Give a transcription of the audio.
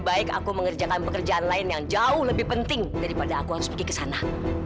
baik aku mengerjakan pekerjaan lain yang jauh lebih penting daripada aku harus pergi ke sana